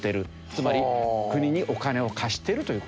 つまり国にお金を貸してるという事です。